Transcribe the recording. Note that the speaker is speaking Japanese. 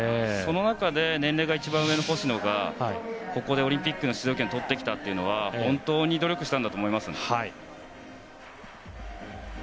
その中で年齢が一番上の星野がここでオリンピックの出場権をとってきたというのは本当に努力したんだと思います。